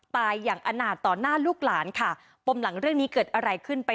ตายอย่างอนาจต่อหน้าลูกหลานค่ะปมหลังเรื่องนี้เกิดอะไรขึ้นไป